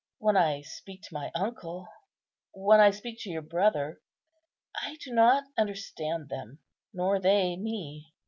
When I speak to my uncle, when I speak to your brother, I do not understand them, nor they me.